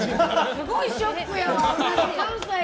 すごいショックやわ。